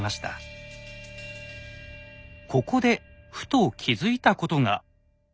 ここでふと気付いたことが。